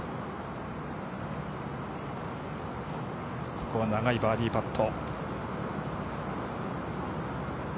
ここは長いバーディーパット。